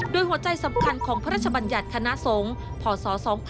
โดยหัวใจสำคัญของพระราชบัญญัติคณะสงฆ์พศ๒๕๖๒